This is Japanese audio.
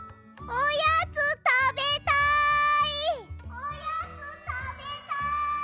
おやつたべたい。